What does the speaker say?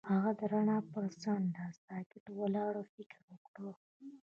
هغه د رڼا پر څنډه ساکت ولاړ او فکر وکړ.